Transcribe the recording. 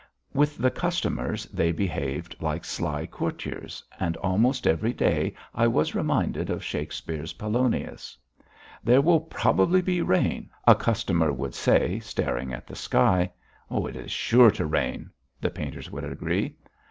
With the customers they behaved like sly courtiers, and almost every day I was reminded of Shakespeare's Polonius. "There will probably be rain," a customer would say, staring at the sky. "It is sure to rain," the painters would agree.